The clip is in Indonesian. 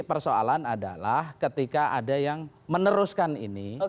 jadi persoalan adalah ketika ada yang meneruskan ini